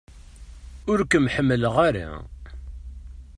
Ur kem-ḥemmleɣ ara!